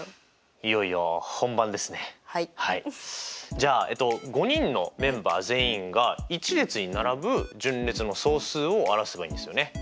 じゃあえっと５人のメンバー全員が１列に並ぶ順列の総数を表せばいいんですよね。